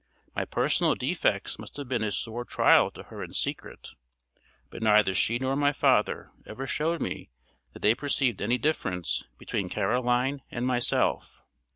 My personal defects must have been a sore trial to her in secret, but neither she nor my father ever showed me that they perceived any difference between Caroline and myself.